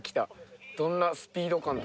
どんなスピード感とか。